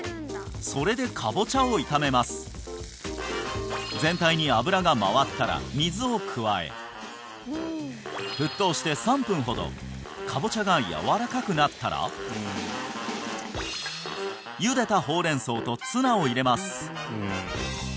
それでカボチャを炒めます全体に油が回ったら水を加え沸騰して３分ほどカボチャがやわらかくなったらゆでたホウレン草とツナを入れます